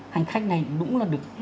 hành khách này đúng là được đi